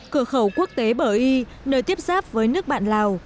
cửa khẩu quốc tế bờ y nơi tiếp giáp với nước bạn lào